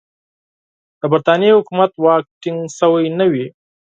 د برټانیې حکومت واک ټینګ سوی نه وي.